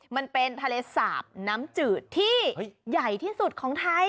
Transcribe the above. มันเป็นทะเลสาบน้ำจืดที่ใหญ่ที่สุดของไทย